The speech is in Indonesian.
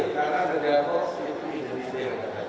karena ada jatuh itu bisa detail